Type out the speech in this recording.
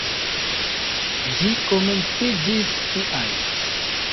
Ĝi komenciĝis tial.